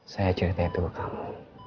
saya ceritain itu ke kamu